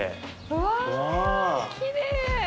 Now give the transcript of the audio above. うわきれい。